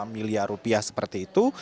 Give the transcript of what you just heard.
empat puluh delapan miliar rupiah seperti itu